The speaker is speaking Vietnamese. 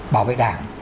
bảo vệ đảng